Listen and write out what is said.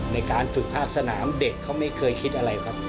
ในการฝึกภาคสนามเด็กเขาไม่เคยคิดอะไรครับ